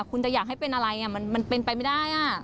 คุณจะอยากให้เป็นอะไรมันเป็นไปไม่ได้